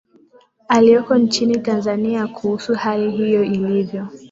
alioko nchini tanzania kuhusu hali hiyo ilivyo